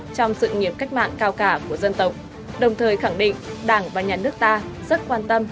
trong sự nghiệp cách mạng cao cả của dân tộc đồng thời khẳng định đảng và nhà nước ta rất quan tâm